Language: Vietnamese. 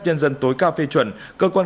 nhân dân tối cao phê chuẩn cơ quan